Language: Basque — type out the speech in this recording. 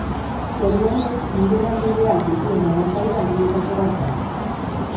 Zorionez nire lanbideak dituen abantaila handietako bat da.